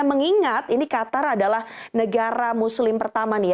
mengingat ini qatar adalah negara muslim pertama nih